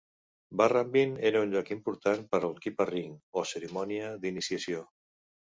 Barrambin era un lloc important per al "kippa-ring" o cerimònia d'iniciació.